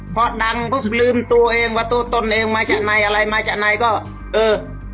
พอดังปุ๊บลืมตัวเองประตูตนเองมาจากในอะไรมาจากในก็เออ